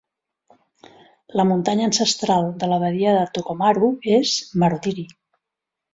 La muntanya ancestral de la badia de Tokomaru és Marotiri.